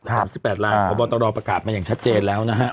๓๘ลายเพราะว่าตลอดประกาศมาอย่างชัดเจนแล้วนะฮะ